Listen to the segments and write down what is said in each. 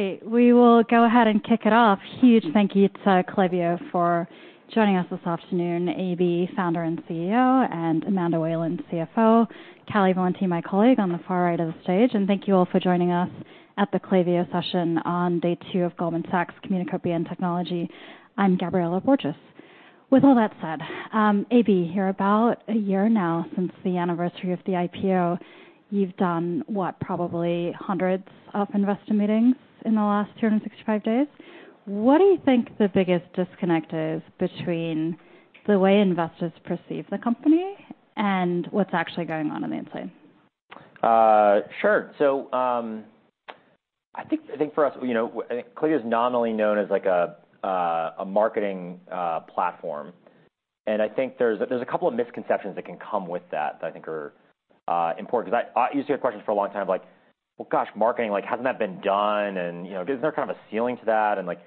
All right, we will go ahead and kick it off. Huge thank you to Klaviyo for joining us this afternoon, AB, founder and CEO, and Amanda Whalen, CFO. Callie Valenti, my colleague, on the far right of the stage, and thank you all for joining us at the Klaviyo session on day two of Goldman Sachs Communicopia and Technology. I'm Gabriela Borges. With all that said, AB, you're about a year now since the anniversary of the IPO. You've done, what? Probably hundreds of investor meetings in the last 265 days. What do you think the biggest disconnect is between the way investors perceive the company and what's actually going on on the inside? Sure. So, I think, I think for us, you know, I think Klaviyo is nominally known as, like, a, a marketing platform. And I think there's a couple of misconceptions that can come with that, that I think are important. 'Cause I used to get questions for a long time like: "Well, gosh, marketing, like, hasn't that been done? And, you know, isn't there kind of a ceiling to that? And, like,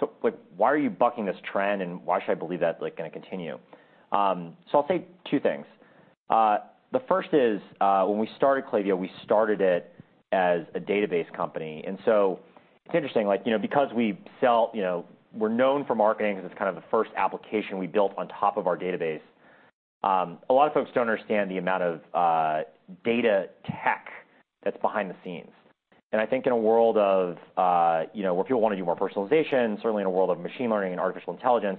so, like, why are you bucking this trend, and why should I believe that's, like, gonna continue?" So I'll say two things. The first is, when we started Klaviyo, we started it as a database company, and so it's interesting, like, you know, because we sell... You know, we're known for marketing, 'cause it's kind of the first application we built on top of our database. A lot of folks don't understand the amount of data tech that's behind the scenes, and I think in a world of, you know, where people want to do more personalization, certainly in a world of machine learning and artificial intelligence,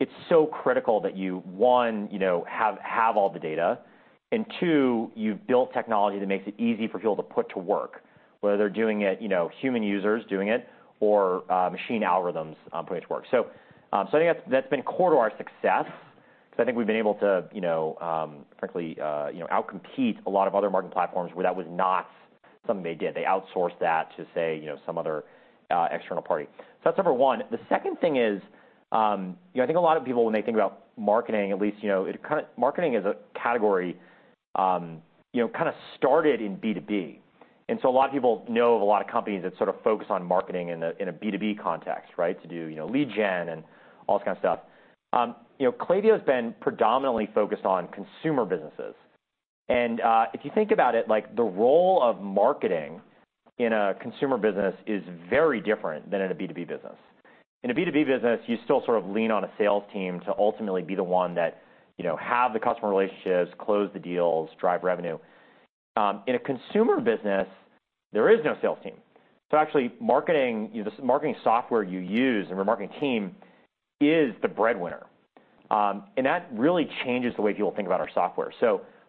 it's so critical that you, one, you know, have all the data, and two, you've built technology that makes it easy for people to put to work, whether they're doing it, you know, human users doing it or machine algorithms putting it to work, so I think that's been core to our success, because I think we've been able to, you know, frankly, you know, out-compete a lot of other marketing platforms where that was not something they did. They outsourced that to, say, you know, some other external party, so that's number one. The second thing is, you know, I think a lot of people, when they think about marketing, at least, you know, marketing as a category, you know, kind of started in B2B. And so a lot of people know of a lot of companies that sort of focus on marketing in a B2B context, right? To do, you know, lead gen and all this kind of stuff. You know, Klaviyo's been predominantly focused on consumer businesses, and, if you think about it, like, the role of marketing in a consumer business is very different than in a B2B business. In a B2B business, you still sort of lean on a sales team to ultimately be the one that, you know, have the customer relationships, close the deals, drive revenue. In a consumer business, there is no sales team. Actually, marketing, you know, the marketing software you use and your marketing team is the breadwinner. That really changes the way people think about our software.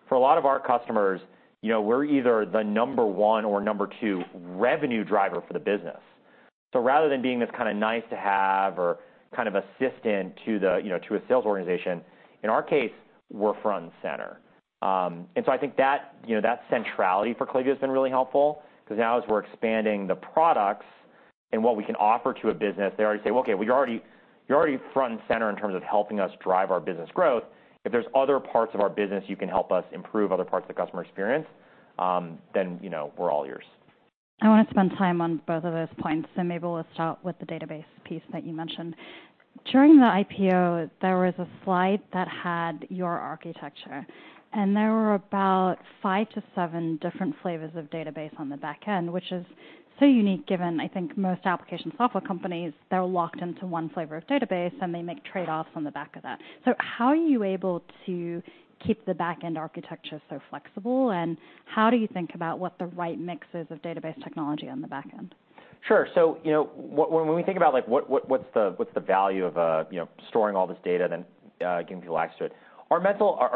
For a lot of our customers, you know, we're either the number one or number two revenue driver for the business. Rather than being this kind of nice to have or kind of assistant to the, you know, to a sales organization, in our case, we're front and center. I think that, you know, that centrality for Klaviyo has been really helpful, because now as we're expanding the products and what we can offer to a business, they already say, "Okay, you're already front and center in terms of helping us drive our business growth. If there's other parts of our business, you can help us improve other parts of the customer experience, then, you know, we're all ears. I want to spend time on both of those points, and maybe we'll start with the database piece that you mentioned. During the IPO, there was a slide that had your architecture, and there were about five to seven different flavors of database on the back end, which is so unique, given, I think, most application software companies, they're locked into one flavor of database, and they make trade-offs on the back of that. So how are you able to keep the back-end architecture so flexible, and how do you think about what the right mix is of database technology on the back end? Sure. So, you know, when we think about, like, what's the value of, you know, storing all this data, then giving people access to it, our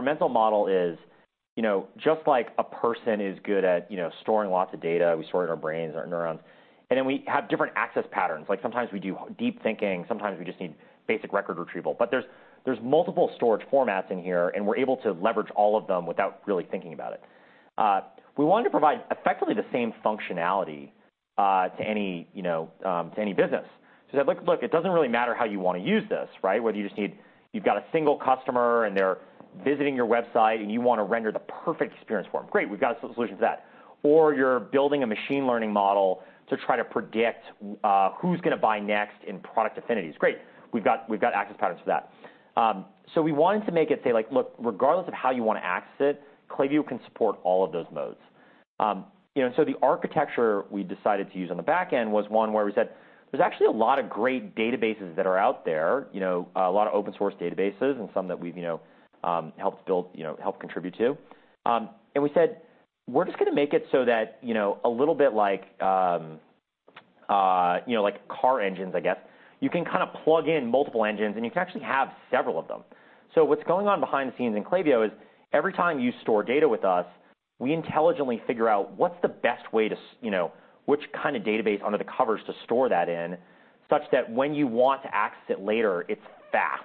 mental model is, you know, just like a person is good at, you know, storing lots of data, we store it in our brains, our neurons, and then we have different access patterns. Like, sometimes we do deep thinking, sometimes we just need basic record retrieval. But there's multiple storage formats in here, and we're able to leverage all of them without really thinking about it. We wanted to provide effectively the same functionality to any, you know, to any business, so look, it doesn't really matter how you want to use this, right? Whether you just need—you've got a single customer, and they're visiting your website, and you want to render the perfect experience for them. Great! We've got a solution for that. Or you're building a machine learning model to try to predict who's going to buy next in product affinities. Great! We've got access patterns for that. So we wanted to make it say, like: Look, regardless of how you want to access it, Klaviyo can support all of those modes. You know, and so the architecture we decided to use on the back end was one where we said there's actually a lot of great databases that are out there, you know, a lot of open source databases and some that we've, you know, helped build, you know, helped contribute to. And we said, "We're just gonna make it so that, you know, a little bit like, you know, like car engines, I guess. You can kind of plug in multiple engines, and you can actually have several of them." So what's going on behind the scenes in Klaviyo is, every time you store data with us, we intelligently figure out what's the best way to, you know, which kind of database under the covers to store that in, such that when you want to access it later, it's fast.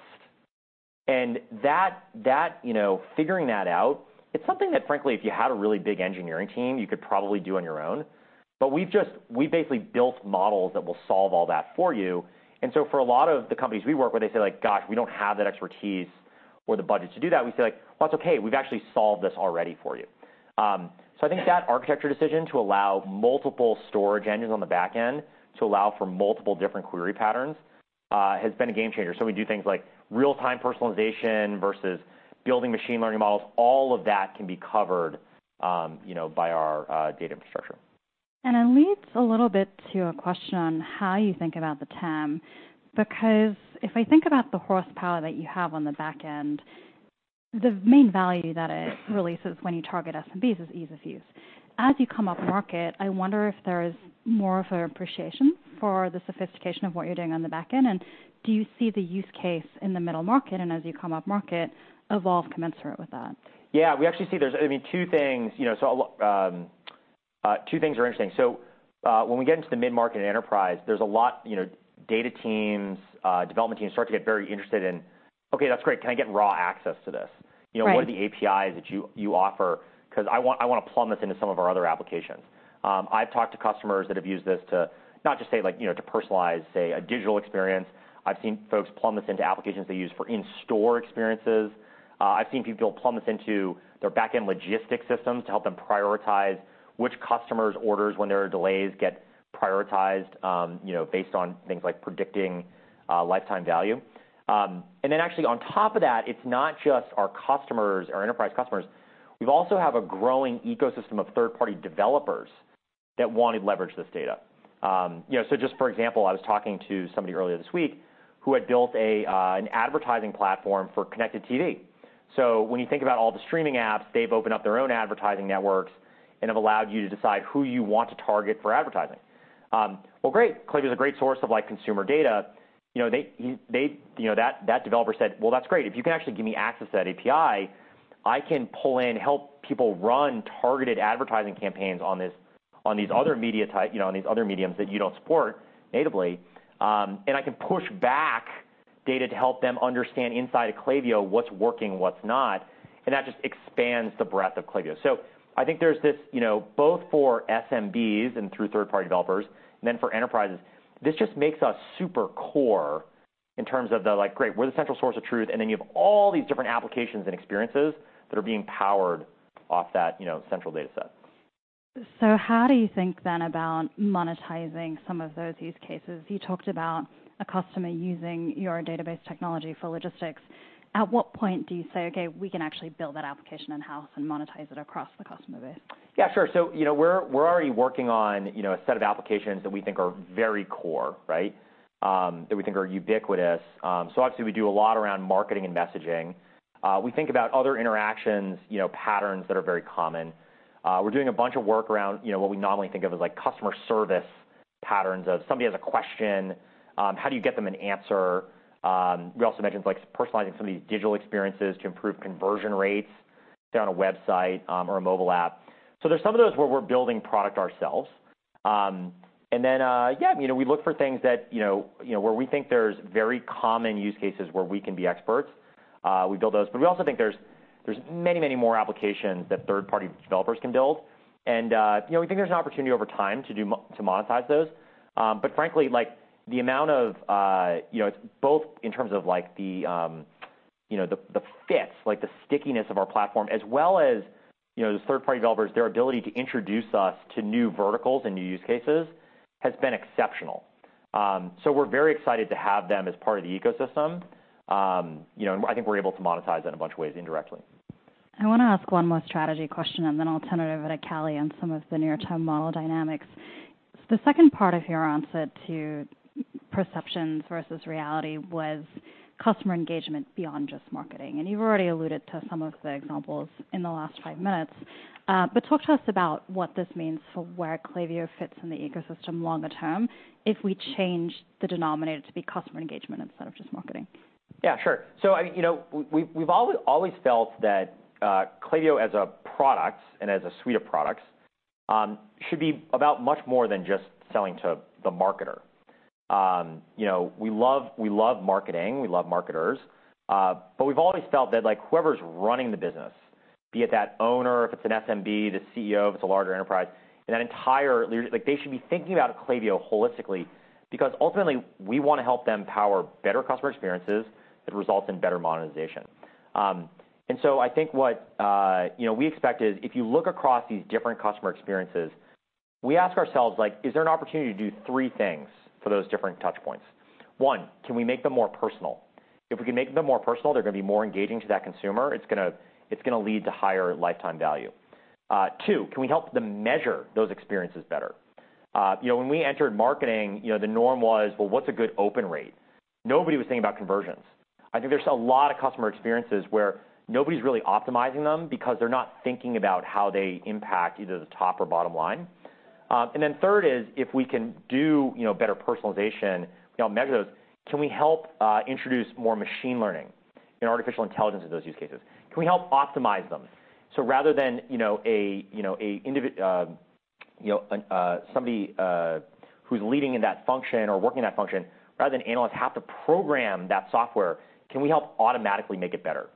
And that, you know, figuring that out, it's something that, frankly, if you had a really big engineering team, you could probably do on your own. But we've just basically built models that will solve all that for you. For a lot of the companies we work with, they say, like, "Gosh, we don't have that expertise or the budget to do that." We say, like, "Well, it's okay. We've actually solved this already for you." I think that architecture decision to allow multiple storage engines on the back end to allow for multiple different query patterns has been a game changer. We do things like real-time personalization versus building machine learning models. All of that can be covered, you know, by our data infrastructure. And it leads a little bit to a question on how you think about the TAM, because if I think about the horsepower that you have on the back end, the main value that it releases when you target SMBs is ease of use. As you come up market, I wonder if there is more of an appreciation for the sophistication of what you're doing on the back end, and do you see the use case in the middle market, and as you come up market, evolve commensurate with that? Yeah, we actually see there's, I mean, two things, you know, so, two things are interesting. So, when we get into the mid-market enterprise, there's a lot, you know, data teams, development teams start to get very interested in, "Okay, that's great. Can I get raw access to this? Right. You know, what are the APIs that you offer? 'Cause I want, I wanna plumb this into some of our other applications." I've talked to customers that have used this, not just say, like, you know, to personalize, say, a digital experience. I've seen folks plumb this into applications they use for in-store experiences. I've seen people plumb this into their backend logistics systems to help them prioritize which customer's orders, when there are delays, get prioritized, you know, based on things like predicting lifetime value, and then actually, on top of that, it's not just our customers, our enterprise customers, we've also have a growing ecosystem of third-party developers that want to leverage this data, so just for example, I was talking to somebody earlier this week who had built an advertising platform for Connected TV. So when you think about all the streaming apps, they've opened up their own advertising networks and have allowed you to decide who you want to target for advertising. Well, great, Klaviyo's a great source of, like, consumer data. You know, they. You know, that developer said, "Well, that's great. If you can actually give me access to that API, I can pull in, help people run targeted advertising campaigns on this, on these other media type, you know, on these other mediums that you don't support natively, and I can push back data to help them understand inside of Klaviyo what's working, what's not," and that just expands the breadth of Klaviyo. So, I think there's this, you know, both for SMBs and through third-party developers, and then for enterprises, this just makes us super core in terms of the, like, great, we're the central source of truth, and then you have all these different applications and experiences that are being powered off that, you know, central data set. So how do you think then about monetizing some of those use cases? You talked about a customer using your database technology for logistics. At what point do you say, "Okay, we can actually build that application in-house and monetize it across the customer base? Yeah, sure. So, you know, we're, we're already working on, you know, a set of applications that we think are very core, right? That we think are ubiquitous. So obviously, we do a lot around marketing and messaging. We think about other interactions, you know, patterns that are very common. We're doing a bunch of work around, you know, what we normally think of as, like, customer service patterns, of somebody has a question, how do you get them an answer? We also mentioned, like, personalizing some of these digital experiences to improve conversion rates on a website, or a mobile app. So there's some of those where we're building product ourselves. And then, yeah, you know, we look for things that, you know, you know, where we think there's very common use cases where we can be experts, we build those. But we also think there's many, many more applications that third-party developers can build. And, you know, we think there's an opportunity over time to monetize those. But frankly, like, the amount of, you know, both in terms of, like, the, you know, the fit, like, the stickiness of our platform, as well as, you know, those third-party developers, their ability to introduce us to new verticals and new use cases, has been exceptional. So we're very excited to have them as part of the ecosystem. You know, and I think we're able to monetize that a bunch of ways indirectly. I wanna ask one more strategy question, and then I'll turn it over to Callie on some of the near-term model dynamics. The second part of your answer to perceptions versus reality was customer engagement beyond just marketing, and you've already alluded to some of the examples in the last five minutes. But talk to us about what this means for where Klaviyo fits in the ecosystem longer term, if we change the denominator to be customer engagement instead of just marketing. Yeah, sure. So, you know, we've always felt that Klaviyo, as a product and as a suite of products, should be about much more than just selling to the marketer. You know, we love marketing, we love marketers, but we've always felt that, like, whoever's running the business, be it that owner, if it's an SMB, the CEO, if it's a larger enterprise, and that entire layer, like, they should be thinking about Klaviyo holistically, because ultimately, we wanna help them power better customer experiences that results in better monetization. And so I think what, you know, we expect is if you look across these different customer experiences, we ask ourselves, like, is there an opportunity to do three things for those different touch points? One, can we make them more personal? If we can make them more personal, they're gonna be more engaging to that consumer. It's gonna lead to higher lifetime value. Two, can we help them measure those experiences better? You know, when we entered marketing, you know, the norm was, well, what's a good open rate? Nobody was thinking about conversions. I think there's a lot of customer experiences where nobody's really optimizing them, because they're not thinking about how they impact either the top or bottom line. And then third is, if we can do, you know, better personalization, you know, measure those, can we help introduce more machine learning and artificial intelligence in those use cases? Can we help optimize them? So rather than, you know, an individual, you know, somebody who's leading in that function or working in that function, rather than analysts have to program that software, can we help automatically make it better?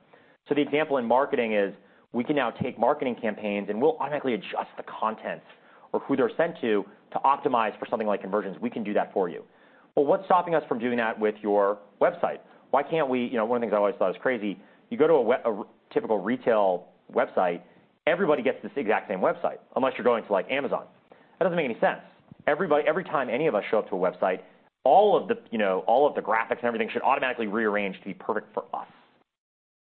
The example in marketing is, we can now take marketing campaigns, and we'll automatically adjust the content or who they're sent to, to optimize for something like conversions. We can do that for you. But what's stopping us from doing that with your website? Why can't we? You know, one of the things I always thought was crazy, you go to a typical retail website, everybody gets the exact same website, unless you're going to, like, Amazon. That doesn't make any sense. Every time any of us show up to a website, all of the, you know, all of the graphics and everything should automatically rearrange to be perfect for us.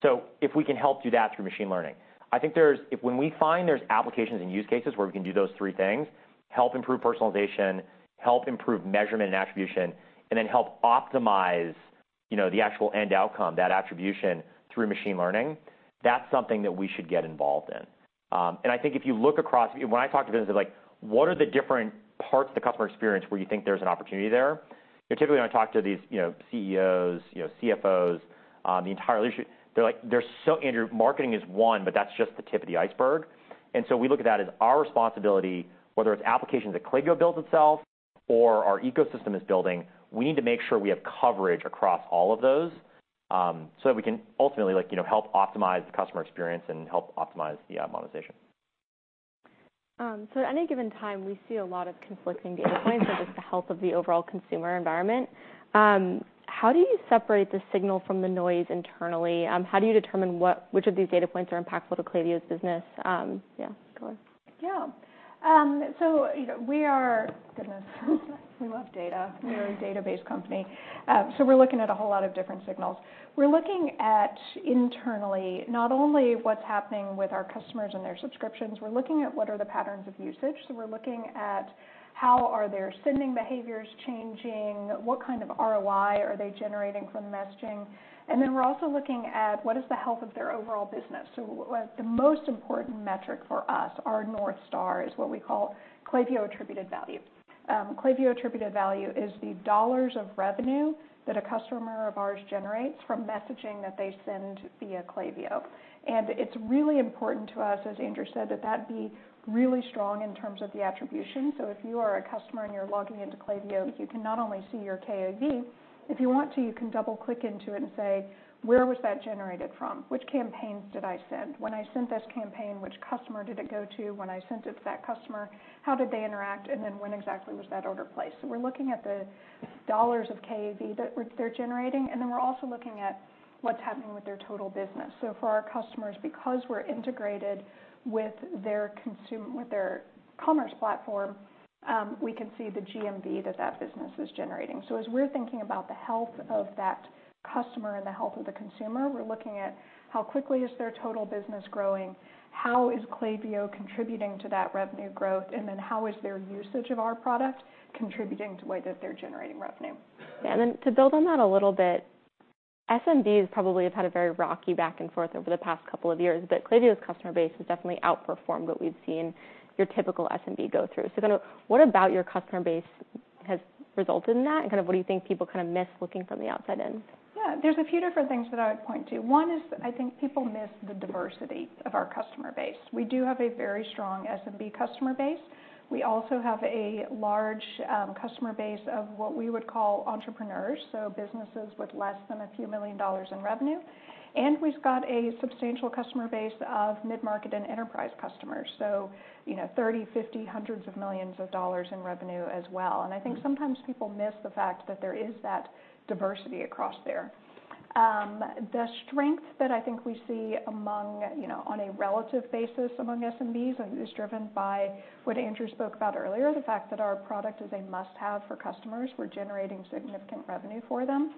So if we can help do that through machine learning, I think there's if when we find there's applications and use cases where we can do those three things, help improve personalization, help improve measurement and attribution, and then help optimize, you know, the actual end outcome, that attribution through machine learning, that's something that we should get involved in. And I think if you look across when I talk to businesses, like, what are the different parts of the customer experience where you think there's an opportunity there? Typically, when I talk to these, you know, CEOs, you know, CFOs, the entire leadership, they're like, there's so, Andrew, marketing is one, but that's just the tip of the iceberg. So we look at that as our responsibility, whether it's applications that Klaviyo builds itself or our ecosystem is building, we need to make sure we have coverage across all of those, so that we can ultimately, like, you know, help optimize the customer experience and help optimize the, monetization. So at any given time, we see a lot of conflicting data points about just the health of the overall consumer environment. How do you separate the signal from the noise internally? How do you determine which of these data points are impactful to Klaviyo's business? Yeah, go on. Yeah. So, you know, we are... Goodness, we love data. We're a data-based company. So we're looking at a whole lot of different signals. We're looking at, internally, not only what's happening with our customers and their subscriptions, we're looking at what are the patterns of usage. So we're looking at how are their sending behaviors changing, what kind of ROI are they generating from the messaging, and then we're also looking at what is the health of their overall business. So the most important metric for us, our North Star, is what we call Klaviyo Attributed Value. Klaviyo Attributed Value is the dollars of revenue that a customer of ours generates from messaging that they send via Klaviyo. And it's really important to us, as Andrew said, that that be really strong in terms of the attribution. So if you are a customer and you're logging into Klaviyo, you can not only see your KAV, if you want to, you can double-click into it and say, "Where was that generated from? Which campaigns did I send? When I sent this campaign, which customer did it go to? When I sent it to that customer, how did they interact, and then when exactly was that order placed?" So we're looking at the dollars of KAV that they're generating, and then we're also looking at what's happening with their total business. So for our customers, because we're integrated with their commerce platform, we can see the GMV that that business is generating. So as we're thinking about the health of that customer and the health of the consumer, we're looking at how quickly is their total business growing, how is Klaviyo contributing to that revenue growth, and then how is their usage of our product contributing to the way that they're generating revenue? Yeah, and then to build on that a little bit, SMBs probably have had a very rocky back and forth over the past couple of years, but Klaviyo's customer base has definitely outperformed what we've seen your typical SMB go through. So kind of what about your customer base has resulted in that, and kind of what do you think people kind of miss looking from the outside in? Yeah, there's a few different things that I would point to. One is, I think people miss the diversity of our customer base. We do have a very strong SMB customer base. We also have a large customer base of what we would call entrepreneurs, so businesses with less than a few million dollars in revenue. And we've got a substantial customer base of mid-market and enterprise customers, so, you know, thirty, fifty, hundreds of millions of dollars in revenue as well. And I think sometimes people miss the fact that there is that diversity across there. The strength that I think we see among, you know, on a relative basis among SMBs, and is driven by what Andrew spoke about earlier, the fact that our product is a must-have for customers. We're generating significant revenue for them.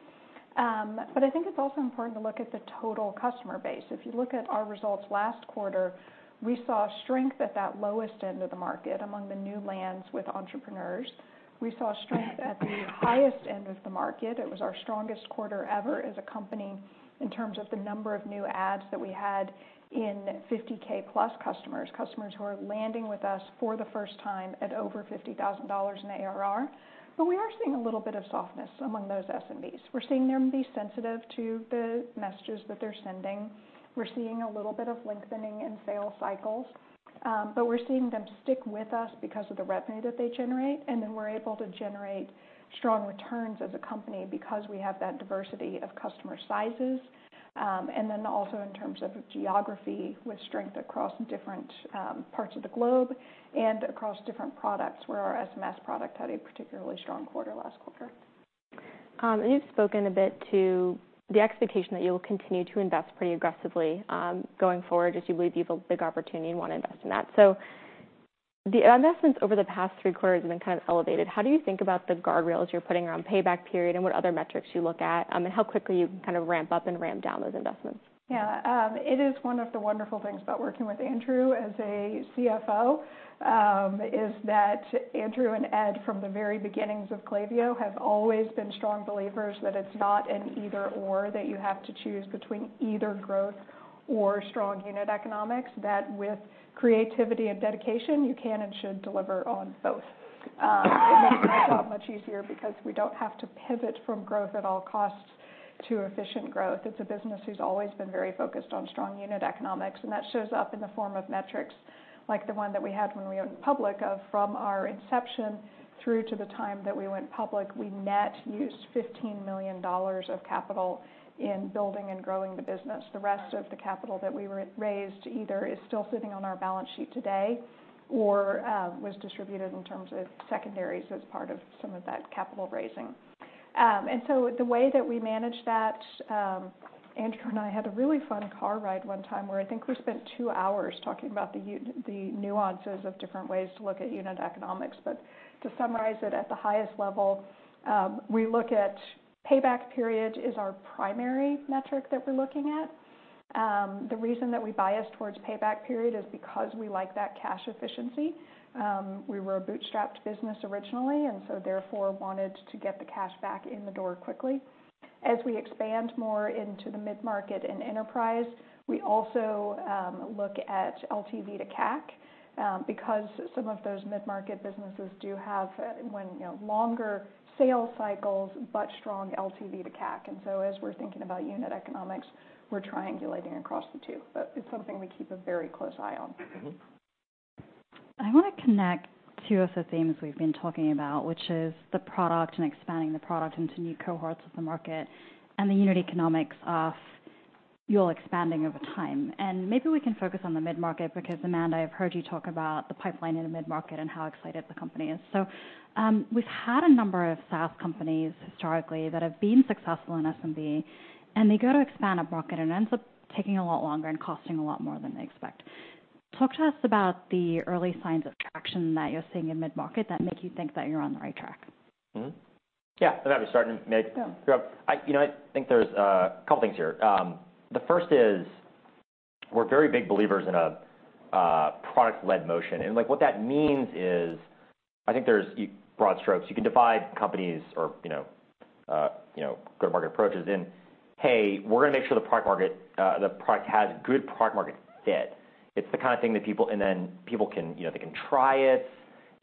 But I think it's also important to look at the total customer base. If you look at our results last quarter, we saw strength at that lowest end of the market, among the new brands with entrepreneurs. We saw strength at the highest end of the market. It was our strongest quarter ever as a company in terms of the number of new adds that we had in 50k-plus customers, customers who are landing with us for the first time at over $50,000 in ARR. But we are seeing a little bit of softness among those SMBs. We're seeing them be sensitive to the messages that they're sending. We're seeing a little bit of lengthening in sales cycles, but we're seeing them stick with us because of the revenue that they generate, and then we're able to generate strong returns as a company because we have that diversity of customer sizes, and then also in terms of geography, with strength across different parts of the globe and across different products, where our SMS product had a particularly strong quarter last quarter. And you've spoken a bit to the expectation that you'll continue to invest pretty aggressively, going forward, as you believe you have a big opportunity and want to invest in that. So the investments over the past three quarters have been kind of elevated. How do you think about the guardrails you're putting around payback period, and what other metrics do you look at, and how quickly you kind of ramp up and ramp down those investments? Yeah, it is one of the wonderful things about working with Andrew as a CFO, is that Andrew and Ed, from the very beginnings of Klaviyo, have always been strong believers that it's not an either/or, that you have to choose between either growth or strong unit economics, that with creativity and dedication, you can and should deliver on both, and that's made my job much easier because we don't have to pivot from growth at all costs to efficient growth. It's a business who's always been very focused on strong unit economics, and that shows up in the form of metrics, like the one that we had when we went public, of from our inception through to the time that we went public, we net used $15 million of capital in building and growing the business. The rest of the capital that we re-raised, either is still sitting on our balance sheet today or was distributed in terms of secondaries as part of some of that capital raising, and so the way that we manage that, Andrew and I had a really fun car ride one time where I think we spent two hours talking about the nuances of different ways to look at unit economics, but to summarize it, at the highest level, we look at payback period is our primary metric that we're looking at. The reason that we bias towards payback period is because we like that cash efficiency. We were a bootstrapped business originally, and so therefore wanted to get the cash back in the door quickly. As we expand more into the mid-market and enterprise, we also look at LTV to CAC, because some of those mid-market businesses do have, when, you know, longer sales cycles, but strong LTV to CAC. And so as we're thinking about unit economics, we're triangulating across the two. But it's something we keep a very close eye on. Mm-hmm. I want to connect two of the themes we've been talking about, which is the product and expanding the product into new cohorts of the market, and the unit economics of you all expanding over time. And maybe we can focus on the mid-market, because, Amanda, I've heard you talk about the pipeline in the mid-market and how excited the company is. So, we've had a number of SaaS companies historically, that have been successful in SMB, and they go to expand upmarket, and it ends up taking a lot longer and costing a lot more than they expect. Talk to us about the early signs of traction that you're seeing in mid-market that make you think that you're on the right track. Mm-hmm. Yeah, I'm happy to start and, Meg- Yeah. You know, I think there's a couple things here. The first is, we're very big believers in a product-led motion, and, like, what that means is, I think there's broad strokes. You can divide companies or, you know, you know, go-to-market approaches in, hey, we're gonna make sure the product market, the product has good product market fit. It's the kind of thing that people and then people can, you know, they can try it.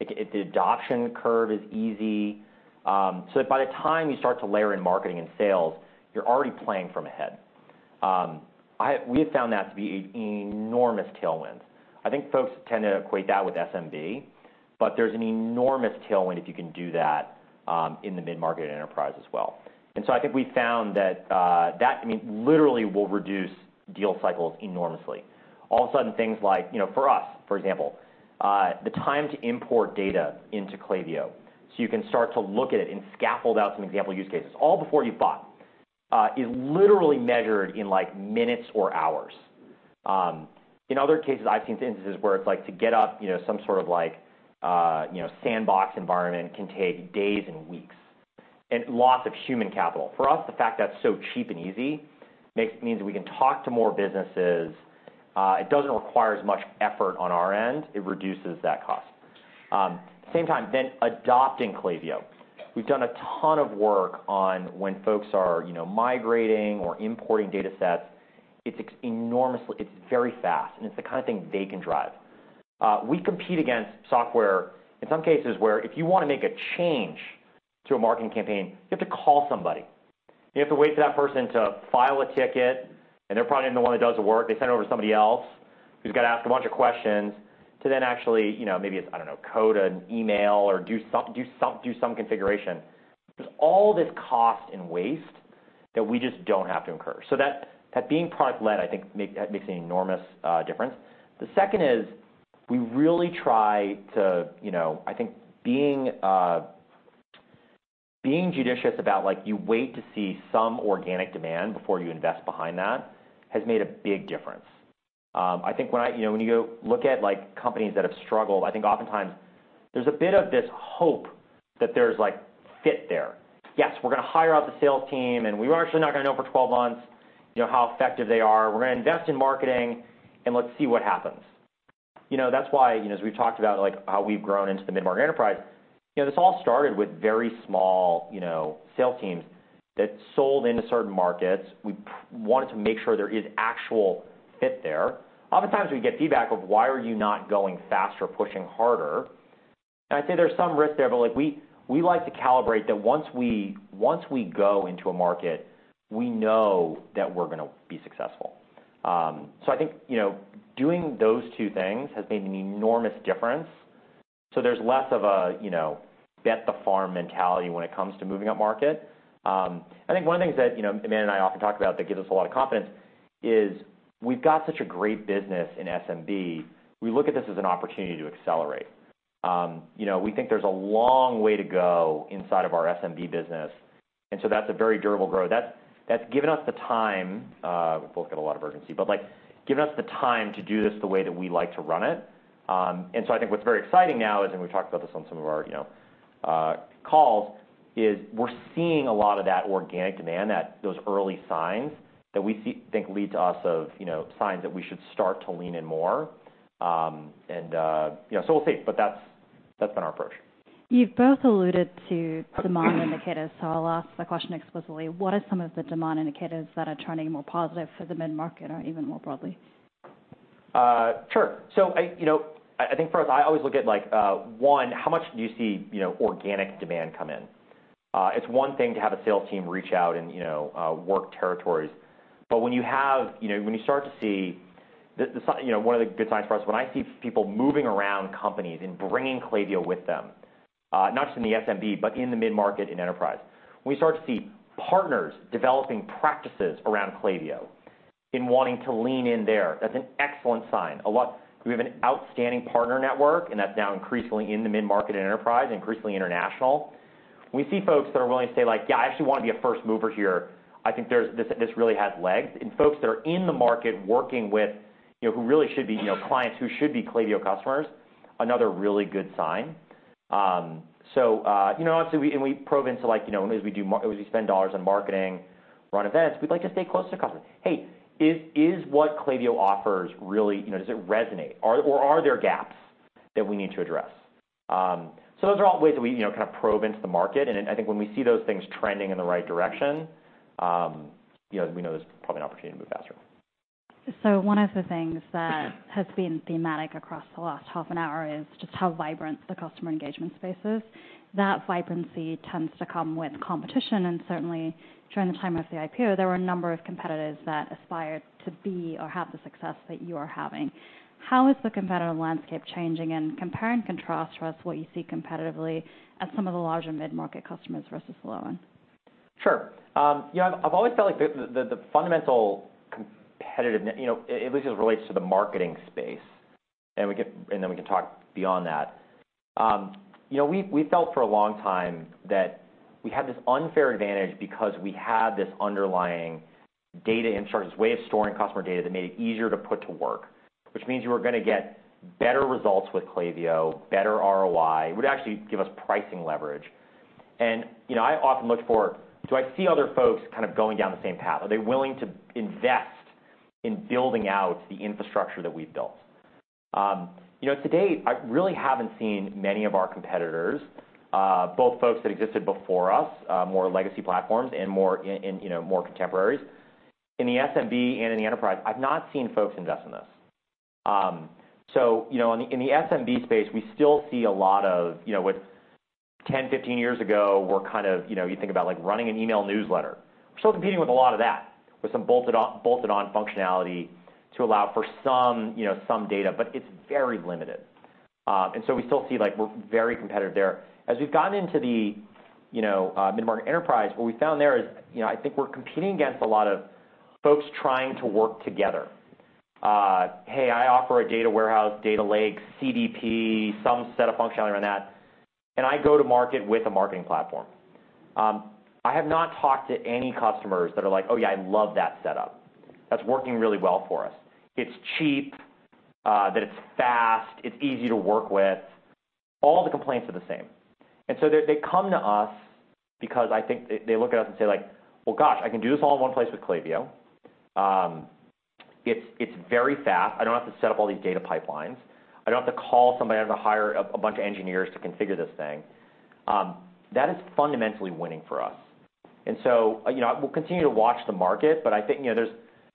It, the adoption curve is easy. So by the time you start to layer in marketing and sales, you're already playing from ahead. We have found that to be an enormous tailwind. I think folks tend to equate that with SMB, but there's an enormous tailwind if you can do that, in the mid-market enterprise as well. And so I think we found that, I mean, literally will reduce deal cycles enormously. All of a sudden, things like, you know, for us, for example, the time to import data into Klaviyo, so you can start to look at it and scaffold out some example use cases, all before you bought, is literally measured in, like, minutes or hours. In other cases, I've seen instances where it's like to get up, you know, some sort of like, sandbox environment can take days and weeks, and lots of human capital. For us, the fact that's so cheap and easy, means we can talk to more businesses. It doesn't require as much effort on our end. It reduces that cost. Same time, then adopting Klaviyo. We've done a ton of work on when folks are, you know, migrating or importing datasets. It's enormously. It's very fast, and it's the kind of thing they can drive. We compete against software, in some cases where if you want to make a change to a marketing campaign, you have to call somebody. You have to wait for that person to file a ticket, and they're probably not the one that does the work. They send it over to somebody else, who's got to ask a bunch of questions, to then actually, you know, maybe, I don't know, code an email or do some configuration. There's all this cost and waste that we just don't have to incur. So that, that being product-led, I think, makes an enormous difference. The second is, we really try to, you know, I think being, being judicious about, like, you wait to see some organic demand before you invest behind that, has made a big difference. I think when I, you know, when you go look at, like, companies that have struggled, I think oftentimes there's a bit of this hope that there's like, fit there. Yes, we're gonna hire out the sales team, and we're actually not gonna know for twelve months, you know, how effective they are. We're gonna invest in marketing and let's see what happens. You know, that's why, you know, as we've talked about, like, how we've grown into the mid-market enterprise, you know, this all started with very small, you know, sales teams that sold into certain markets. We wanted to make sure there is actual fit there. Oftentimes, we get feedback of why are you not going faster, pushing harder? And I'd say there's some risk there, but, like, we like to calibrate that once we go into a market, we know that we're gonna be successful. So I think, you know, doing those two things has made an enormous difference. So there's less of a, you know, bet the farm mentality when it comes to moving upmarket. I think one of the things that, you know, Amanda and I often talk about that gives us a lot of confidence is, we've got such a great business in SMB, we look at this as an opportunity to accelerate. You know, we think there's a long way to go inside of our SMB business, and so that's a very durable growth. That's, that's given us the time. We've both got a lot of urgency, but, like, given us the time to do this the way that we like to run it. And so I think what's very exciting now is, and we've talked about this on some of our, you know, calls, is we're seeing a lot of that organic demand, that those early signs that we see, you know, signs that we should start to lean in more. And, you know, so we'll see. But that's, that's been our approach. You've both alluded to demand indicators, so I'll ask the question explicitly: What are some of the demand indicators that are turning more positive for the mid-market or even more broadly? Sure, so you know, I think for us, I always look at like one, how much do you see, you know, organic demand come in? It's one thing to have a sales team reach out and, you know, work territories, but you know, when you start to see the sign, you know, one of the good signs for us, when I see people moving around companies and bringing Klaviyo with them, not just in the SMB, but in the mid-market and enterprise. We start to see partners developing practices around Klaviyo and wanting to lean in there. That's an excellent sign. A lot, we have an outstanding partner network, and that's now increasingly in the mid-market and enterprise, increasingly international. We see folks that are willing to say, like, "Yeah, I actually want to be a first mover here. I think there's this, this really has legs, and folks that are in the market working with, you know, who really should be, you know, clients who should be Klaviyo customers, another really good sign... You know, obviously we probe into, like, you know, as we spend dollars on marketing, run events, we'd like to stay close to the customer. Hey, is what Klaviyo offers really, you know, does it resonate? Or are there gaps that we need to address? So those are all ways that we, you know, kind of probe into the market, and I think when we see those things trending in the right direction, you know, we know there's probably an opportunity to move faster. So one of the things that has been thematic across the last half an hour is just how vibrant the customer engagement space is. That vibrancy tends to come with competition, and certainly during the time of the IPO, there were a number of competitors that aspired to be or have the success that you are having. How is the competitive landscape changing, and compare and contrast for us what you see competitively at some of the larger mid-market customers versus lower one? Sure. You know, I've always felt like the fundamental competitive, you know, at least as it relates to the marketing space, and we can-- and then we can talk beyond that. You know, we felt for a long time that we had this unfair advantage because we had this underlying data infrastructure, this way of storing customer data that made it easier to put to work. Which means you were gonna get better results with Klaviyo, better ROI, would actually give us pricing leverage. And, you know, I often look for, do I see other folks kind of going down the same path? Are they willing to invest in building out the infrastructure that we've built? You know, to date, I really haven't seen many of our competitors, both folks that existed before us, more legacy platforms and more... And you know, more contemporaries. In the SMB and in the enterprise, I've not seen folks invest in this. So, you know, in the SMB space, we still see a lot of, you know, what 10, 15 years ago were kind of, you know, you think about, like, running an email newsletter. We're still competing with a lot of that, with some bolted-on functionality to allow for some, you know, some data, but it's very limited. And so we still see, like, we're very competitive there. As we've gotten into the you know mid-market enterprise, what we found there is, you know, I think we're competing against a lot of folks trying to work together. Hey, I offer a data warehouse, data lake, CDP, some set of functionality around that, and I go to market with a marketing platform." I have not talked to any customers that are like, "Oh, yeah, I love that setup. That's working really well for us. It's cheap, that it's fast, it's easy to work with." All the complaints are the same, and so they come to us because I think they look at us and say, like, "Well, gosh, I can do this all in one place with Klaviyo. It's very fast. I don't have to set up all these data pipelines. I don't have to call somebody, I have to hire a bunch of engineers to configure this thing." That is fundamentally winning for us. And so, you know, we'll continue to watch the market, but I think, you know, there's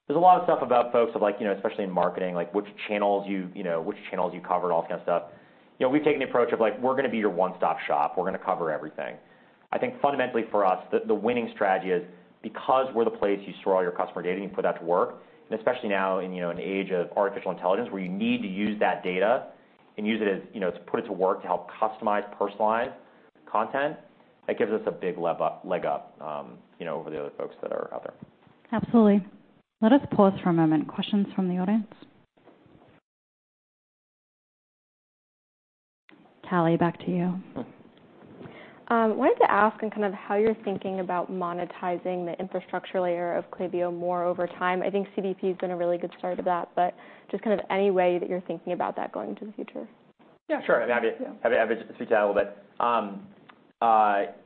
a lot of stuff about folks like, you know, especially in marketing, like which channels you know you covered, all that kind of stuff. You know, we've taken the approach of, like, we're gonna be your one-stop shop. We're gonna cover everything. I think fundamentally for us, the winning strategy is because we're the place you store all your customer data, you put that to work, and especially now in, you know, an age of artificial intelligence, where you need to use that data to put it to work to help customize, personalize content, that gives us a big leg up, you know, over the other folks that are out there. Absolutely. Let us pause for a moment. Questions from the audience? Callie, back to you. Wanted to ask and kind of how you're thinking about monetizing the infrastructure layer of Klaviyo more over time. I think CDP has been a really good start of that, but just kind of any way that you're thinking about that going into the future. Yeah, sure. I mean, happy, happy to speak to that a little bit.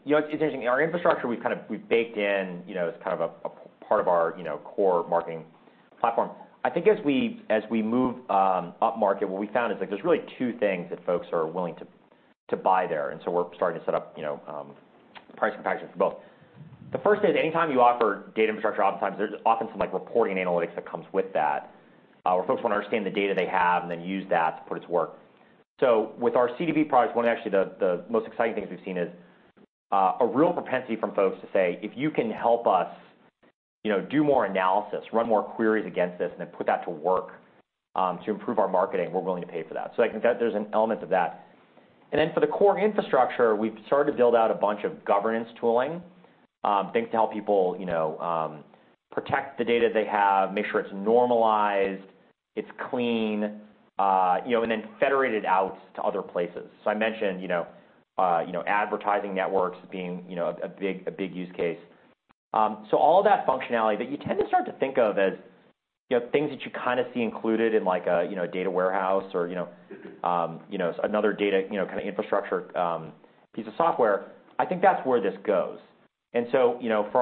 You know, it's interesting. Our infrastructure, we've kind of, we've baked in, you know, as kind of a part of our, you know, core marketing platform. I think as we move upmarket, what we found is that there's really two things that folks are willing to buy there, and so we're starting to set up, you know, price and packages for both. The first is, anytime you offer data infrastructure, oftentimes there's some, like, reporting analytics that comes with that. Where folks want to understand the data they have and then use that to put it to work. So with our CDP products, one of actually the most exciting things we've seen is, a real propensity from folks to say: If you can help us, you know, do more analysis, run more queries against this, and then put that to work, to improve our marketing, we're willing to pay for that. So I think that there's an element of that. And then for the core infrastructure, we've started to build out a bunch of governance tooling, things to help people, you know, protect the data they have, make sure it's normalized, it's clean, you know, and then federated out to other places. So I mentioned, you know, advertising networks being, you know, a big use case. So all of that functionality that you tend to start to think of as, you know, things that you kind of see included in, like, a, you know, data warehouse or, you know, another data, you know, kind of infrastructure, piece of software, I think that's where this goes. And so, you know, for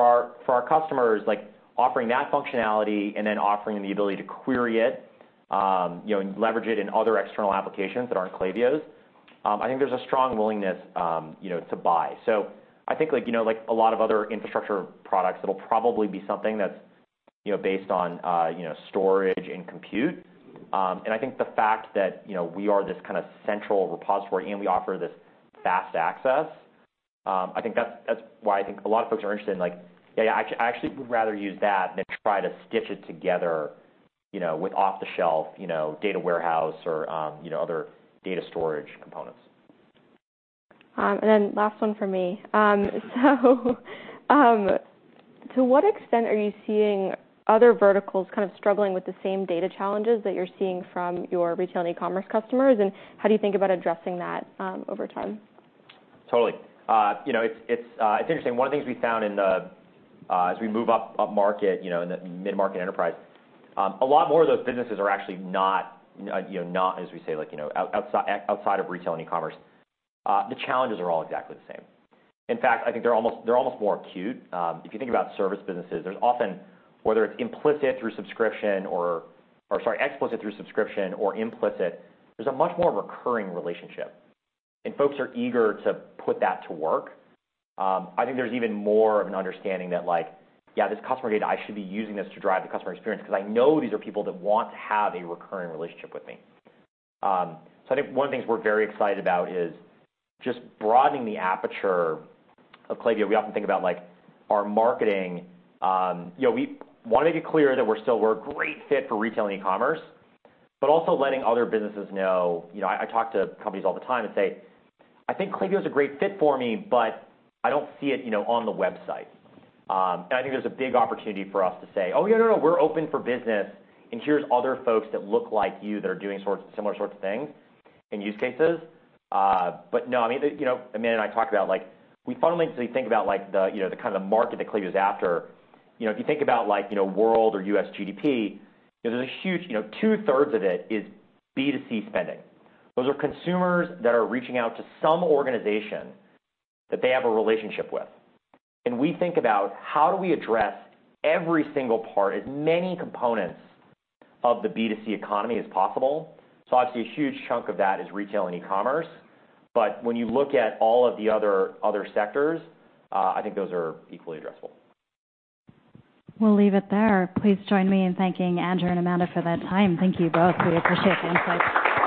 our customers, like, offering that functionality and then offering the ability to query it, you know, and leverage it in other external applications that aren't Klaviyo's, I think there's a strong willingness, you know, to buy. So I think, like, you know, like a lot of other infrastructure products, it'll probably be something that's, you know, based on, you know, storage and compute. and I think the fact that, you know, we are this kind of central repository and we offer this fast access, I think that's why I think a lot of folks are interested in, like, "Yeah, I actually would rather use that than try to stitch it together, you know, with off-the-shelf, you know, data warehouse or, you know, other data storage components. And then last one from me. So, to what extent are you seeing other verticals kind of struggling with the same data challenges that you're seeing from your retail and e-commerce customers? And how do you think about addressing that, over time? Totally. You know, it's interesting. One of the things we found as we move upmarket, you know, in the mid-market enterprise, a lot more of those businesses are actually not, you know, not as we say, like, you know, outside of retail and e-commerce. The challenges are all exactly the same. In fact, I think they're almost more acute. If you think about service businesses, there's often, whether it's implicit through subscription or or sorry, explicit through subscription or implicit, there's a much more recurring relationship, and folks are eager to put that to work. I think there's even more of an understanding that, like, "Yeah, this customer data, I should be using this to drive the customer experience, because I know these are people that want to have a recurring relationship with me." So, I think one of the things we're very excited about is just broadening the aperture of Klaviyo. We often think about, like, our marketing... You know, we want to be clear that we're a great fit for retail and e-commerce, but also letting other businesses know, you know, I talk to companies all the time and say, "I think Klaviyo is a great fit for me, but I don't see it, you know, on the website." And I think there's a big opportunity for us to say, "Oh, yeah, no, no, we're open for business, and here's other folks that look like you, that are doing similar sorts of things and use cases." But no, I mean, you know, Amanda and I talked about, like, we fundamentally think about, like, the kind of market that Klaviyo is after. You know, if you think about, like, you know, world or U.S. GDP, there's a huge, you know, two-thirds of it is B2C spending. Those are consumers that are reaching out to some organization that they have a relationship with, and we think about: How do we address every single part, as many components of the B2C economy as possible? So obviously, a huge chunk of that is retail and e-commerce, but when you look at all of the other sectors, I think those are equally addressable. We'll leave it there. Please join me in thanking Andrew and Amanda for their time. Thank you both. We appreciate the insights.